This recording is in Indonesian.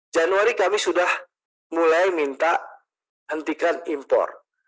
januari kami sudah mulai minta hentikan impor